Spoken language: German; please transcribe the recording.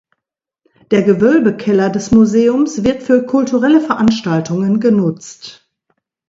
Der Gewölbekeller des Museums wird für kulturelle Veranstaltungen genutzt.